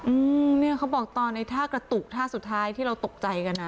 อื้มนี่อะเขาบอกตอนภาพกระตุกภาพสุดท้ายที่เราตกใจกันอ่ะ